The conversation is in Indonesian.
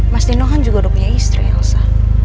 mas dino kan juga udah punya istri elsa